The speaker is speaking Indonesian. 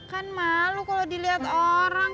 kan malu kalau dilihat orang